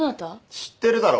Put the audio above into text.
知ってるだろ。